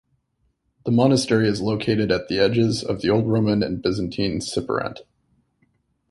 The monastery is located at the edges of the old Roman and Byzantine "Siperant".